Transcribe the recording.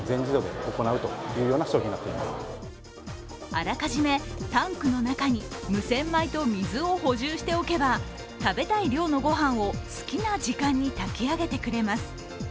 あらかじめタンクの中に無洗米と水を補充しておけば、食べたい量のごはんを好きな時間に炊き上げてくれます。